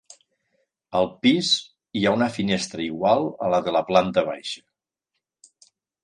Al pis, hi ha una finestra igual a la de la planta baixa.